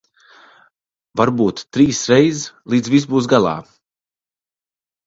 Varbūt trīsreiz, līdz viss būs galā.